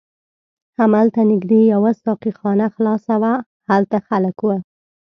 هملته نږدې یوه ساقي خانه خلاصه وه، هلته خلک و.